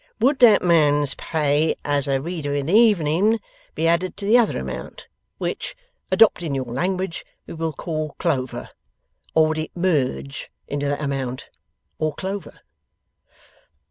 Would that man's pay as a reader in the evening, be added to the other amount, which, adopting your language, we will call clover; or would it merge into that amount, or clover?